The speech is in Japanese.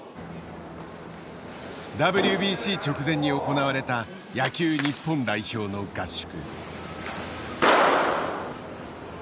ＷＢＣ直前に行われた野球日本代表の合宿。